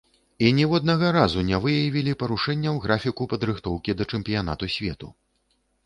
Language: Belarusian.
І ніводнага разу не выявілі парушэнняў графіку падрыхтоўкі да чэмпіянату свету.